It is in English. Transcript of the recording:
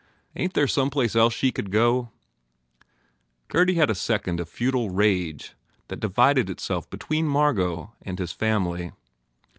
Ain t there some place else she could go ?" Gurdy had a second of futile rage that divided itself between Margot and his family.